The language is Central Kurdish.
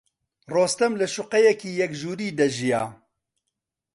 ڕۆستەم لە شوقەیەکی یەک ژووری دەژیا.